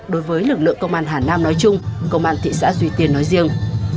đối với lực lượng công an hà nam nói chung công an thị xã duy tiên nói riêng